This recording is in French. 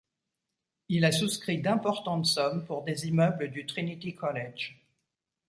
Il a souscrit d'importantes sommes pour des immeubles du Trinity College.